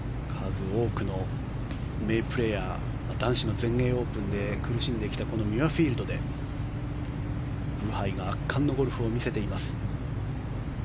数多くの名プレーヤー男子の全英オープンで苦しんできたこのミュアフィールドでブハイが圧巻のゴルフを見せています。